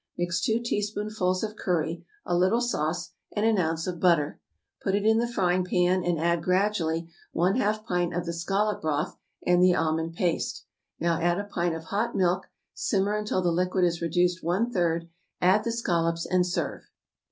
Mix two teaspoonfuls of curry, a little sauce, and an ounce of butter, put it in the frying pan, and add gradually one half pint of the scallop broth and the almond paste. Now add a pint of hot milk; simmer until the liquid is reduced one third, add the scallops, and serve.